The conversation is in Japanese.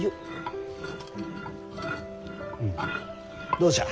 どうじゃ？